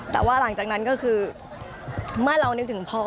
แต่ว่าหลังจากนั้นก็คือเมื่อเรานึกถึงพ่อ